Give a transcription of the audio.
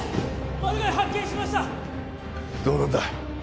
マルガイ発見しましたどうなんだ？